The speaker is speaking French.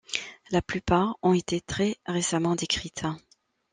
La plupart ont été très récemment décrites.